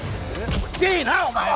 いってえなお前は！